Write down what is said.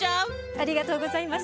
ありがとうございます。